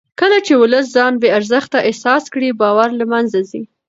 کله چې ولس ځان بې ارزښته احساس کړي باور له منځه ځي